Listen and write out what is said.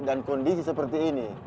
dan kondisi seperti ini